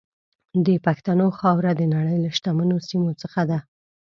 د پښتنو خاوره د نړۍ له شتمنو سیمو څخه ده.